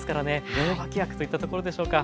名脇役といったところでしょうか。